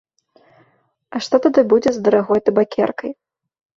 А што тады будзе з дарагой табакеркай?